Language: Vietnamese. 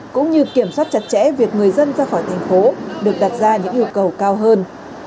cũng như kiểm soát chặt chẽ việc người dân ra khỏi thành phố được đặt ra những yêu cầu cao hơn